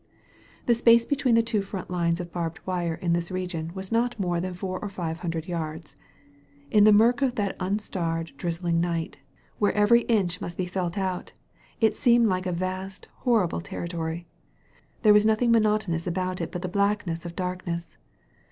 The space between the two front lines of barbed wire in this region was not more than four or five hundred yards. In the murk of that unstarred, drizzling night, where every inch must be felt out, it seemed like a vast, horrible territory. There was nothing monotonous about it but the blackness of darkness.